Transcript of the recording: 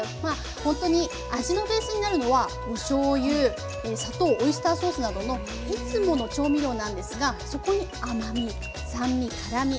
ほんとに味のベースになるのはおしょうゆ砂糖オイスターソースなどのいつもの調味料なんですがそこに甘み酸味辛み